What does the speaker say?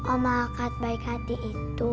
om agat baik hati itu